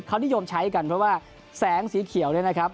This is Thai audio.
เขานิยมใช้กันเพราะว่าแสงสีเขียวเนี่ยนะครับ